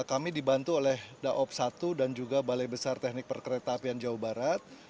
kami dibantu oleh daob satu dan juga balai besar teknik perkereta apian jawa barat